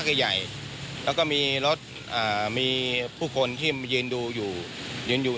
เนี่ยค่ะแล้วก็มีผู้ที่เห็นเหตุการณ์เขาก็เล่าให้ฟังเหมือนกันนะครับ